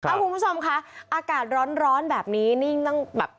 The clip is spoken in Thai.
คุณผู้ชมคะอากาศร้อนแบบนี้นิ่งต้องแบบ